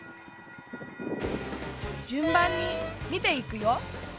順番に見ていくよ。